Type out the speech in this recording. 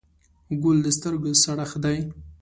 ګل د سترګو سړښت دی.